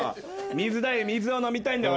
水だよ水を飲みたいんだよ